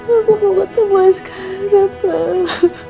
aku mau ke rumah sekarang